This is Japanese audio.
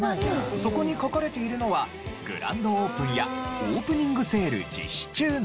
そこに書かれているのは「グランドオープン」や「オープニングセール実施中」など。